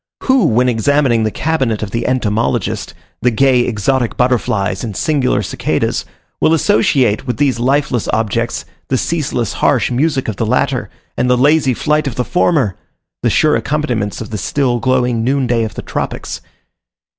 Who when examining in the cabinet of the entomologist the gay exotic butterflies, and singular cicadas, will associate with these lifeless objects, the ceaseless harsh music of the latter, and the lazy flight of the former, the sure accompaniments of the still, glowing noon day of the tropics?